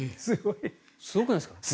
すごくないですか。